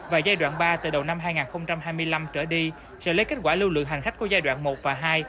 và giai đoạn ba từ đầu năm hai nghìn hai mươi năm trở đi sẽ lấy kết quả lưu lượng hành khách của giai đoạn một và hai